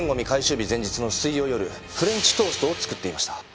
日前日の水曜夜フレンチトーストを作っていました。